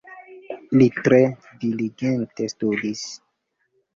Li tre diligente studis.